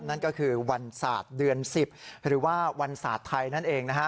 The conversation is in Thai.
นั่นก็คือวันศาสตร์เดือน๑๐หรือว่าวันศาสตร์ไทยนั่นเองนะฮะ